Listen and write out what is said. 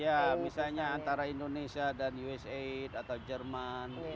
ya misalnya antara indonesia dan usaid atau jerman